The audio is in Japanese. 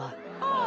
ああ。